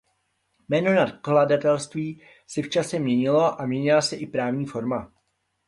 Jméno nakladatelství se v čase měnilo a měnila se i právní forma.